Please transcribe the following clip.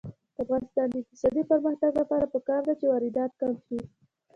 د افغانستان د اقتصادي پرمختګ لپاره پکار ده چې واردات کم شي.